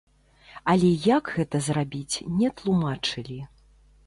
Але як гэта зрабіць, не тлумачылі.